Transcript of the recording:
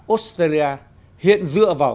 australia hiện dựa vào